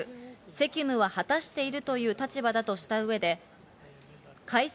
責務は果たしているという立場だとした上で開催